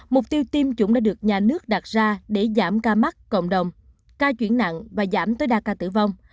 mục tiêu tiêm chủng đã được nhà nước đặt ra để giảm ca mắc cộng đồng ca chuyển nặng và giảm tối đa ca tử vong